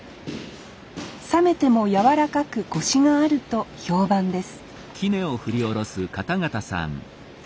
冷めても柔らかくこしがあると評判です